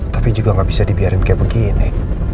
tapi juga nggak bisa dibiarin kayak begini